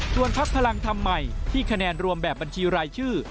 ส่วนพักพลังธรรมใหม่ที่คะแนนรวมแบบบัญชีรายชื่อ